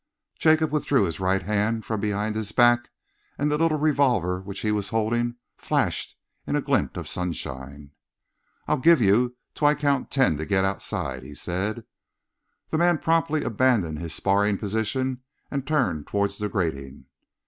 Jacob withdrew his right hand from behind his back, and the little revolver which he was holding flashed in a glint of sunshine. "I'll give you till I count ten to get outside," he said. The man promptly abandoned his sparring position and turned towards the grating.